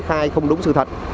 khai không đúng sự thật